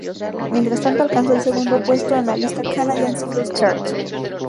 Mientras tanto, alcanzó el segundo puesto en la lista Canadian Singles Chart.